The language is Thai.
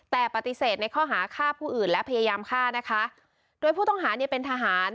แต่ปฏิเสธในข้อหาฆ่าผู้อื่นและพยายามฆ่านะคะโดยผู้ต้องหาเนี่ยเป็นทหาร